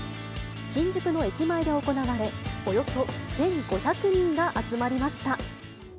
新宿の駅前で行われ、およそ１５００人が集まりました。